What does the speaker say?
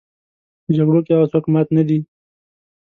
په جګړو کې هغه څوک مات نه دي.